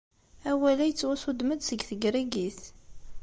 Awal-a yettwassuddem-d seg tegrigit.